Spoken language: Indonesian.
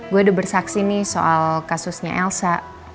gue udah bersaksi nih soal kasusnya elsa